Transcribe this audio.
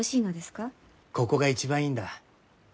ここが一番いいんだ。